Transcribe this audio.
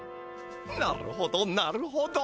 なるほどなるほど！